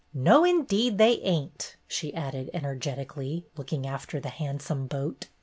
No, indeed, they ain't !" she added energetically, looking after the handsome boat.